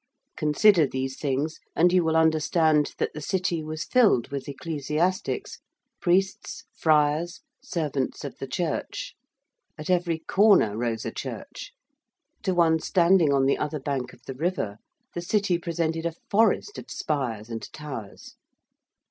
Consider these things and you will understand that the City was filled with ecclesiastics priests, friars, servants of the Church: at every corner rose a church: to one standing on the other bank of the river the City presented a forest of spires and towers.